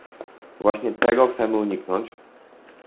Właśnie tego chcemy uniknąć